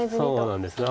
そうなんです。